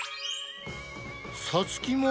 さつきも。